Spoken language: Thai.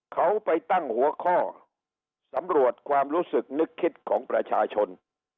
เขาไปตั้งหัวข้อสำรวจความรู้สึกนึกคิดของประชาชน